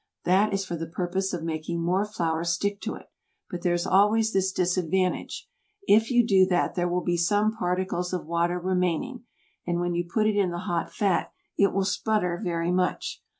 That is for the purpose of making more flour stick to it; but there is always this disadvantage, if you do that there will be some particles of water remaining, and when you put it in the hot fat it will sputter very much.